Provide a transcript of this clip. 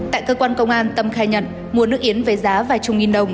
tại cơ quan công an tâm khai nhận mua nước yến với giá vài chục nghìn đồng